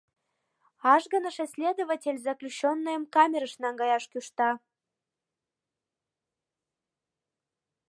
Ажгыныше следователь заключённыйым камерыш наҥгаяш кӱшта.